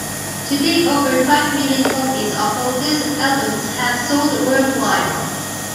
To date over five million copies of Focus albums have sold worldwide.